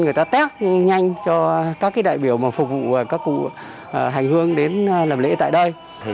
người ta test nhanh cho các đại biểu phục vụ các cụ hành hương đến làm lễ tại đây